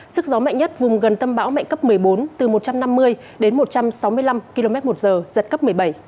sức gió mạnh nhất vùng gần tâm bão mạnh cấp một mươi bốn từ một trăm năm mươi đến một trăm sáu mươi năm km một giờ giật cấp một mươi bảy